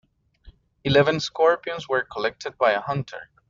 Eleven scorpions were collected by a hunter.